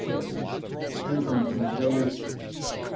RISEN FROM THE GRAVE.